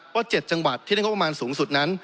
๗จังหวัดที่ได้งบประมาณสูงสุดนั้น